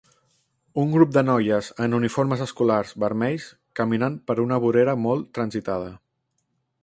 Un grup de noies en uniformes escolars vermells caminant per una vorera molt transitada.